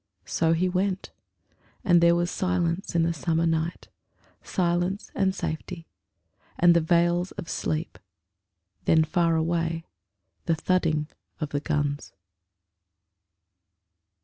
So he went, And there was silence in the summer night; Silence and safety; and the veils of sleep. Then, far away, the thudding of the guns.